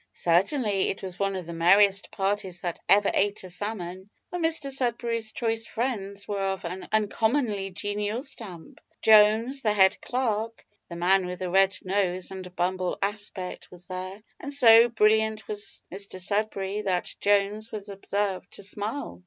Certainly, it was one of the merriest parties that ever ate a salmon, for Mr Sudberry's choice friends were of an uncommonly genial stamp. Jones, the head clerk, (the man with the red nose and humble aspect), was there, and so brilliant was Mr Sudberry that Jones was observed to smile!